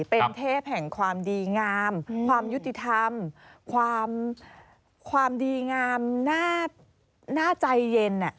เป็นเทพแห่งความดีงามความยุติธรรมความดีงามน่าใจเย็น